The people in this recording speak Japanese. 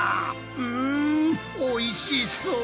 うんおいしそう！